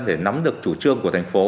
để nắm được chủ trương của thành phố